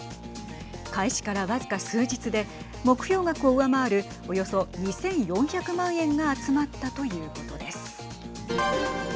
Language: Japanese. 開始から僅か数日で目標額を上回るおよそ２４００万円が集まったということです。